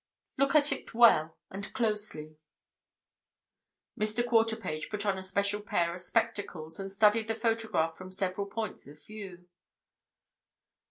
"Look at it well and closely." Mr. Quarterpage put on a special pair of spectacles and studied the photograph from several points of view.